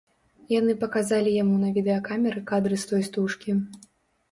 Яны паказалі яму на відэакамеры кадры з той стужкі.